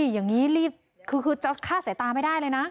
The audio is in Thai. อย่างนี้รีบคือจะฆ่าสายตาไม่ได้เลยนะ